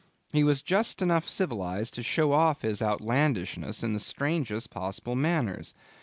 He was just enough civilized to show off his outlandishness in the strangest possible manners.